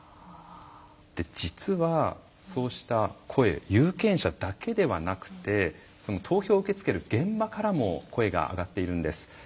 実は、そうした声有権者だけではなくて投票を受け付ける現場からも声が上がっているんです。